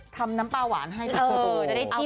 ทำน้ำปลาหวานให้พี่